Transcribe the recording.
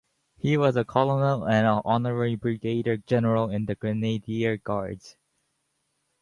He was a Colonel and Honorary Brigadier-General in the Grenadier Guards.